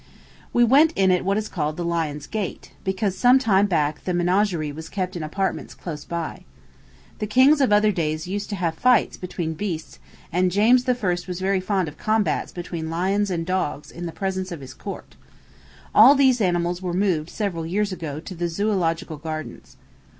We went in at what is called the Lion's Gate, because some time back the menagerie was kept in apartments close by. The kings of other days used to have fights between the beasts, and James I. was very fond of combats between lions and dogs in presence of his court. All these animals were moved several years ago to the Zoölogical Gardens.